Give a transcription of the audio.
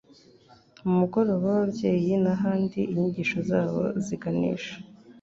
mu mugoroba w ababyeyi n ahandi inyigisho zabo ziganisha